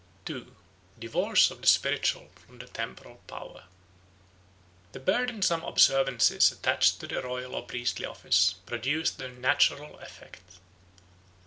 2. Divorce of the Spiritual from the Temporal Power THE BURDENSOME observances attached to the royal or priestly office produced their natural effect.